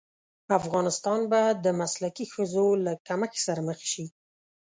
افغانستان به د مسلکي ښځو له کمښت سره مخ شي.